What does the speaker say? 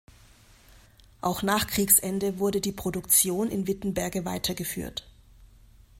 Auch nach Kriegsende wurde die Produktion in Wittenberge weitergeführt.